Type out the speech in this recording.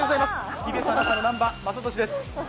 ＴＢＳアナウンサーの南波雅俊です。